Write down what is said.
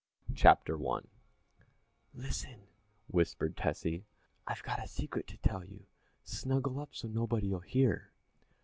_] CHAPTER I "Listen," whispered Tessie, "I've got a secret to tell you; snuggle up so nobody'll hear!"